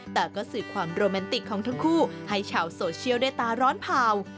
แต่ก็สื่อความโรแมนติกของทั้งคู่ให้ชาวโซเชียลได้ตาร้อนเผ่า